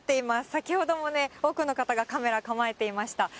先ほどもね、多くの方がカメラ構えていました。